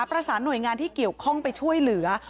ประสานหน่วยงานที่เกี่ยวข้องไปช่วยเหลือ